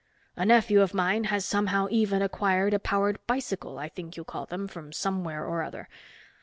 A nephew of mine has somehow even acquired a powered bicycle, I think you call them, from somewhere or other.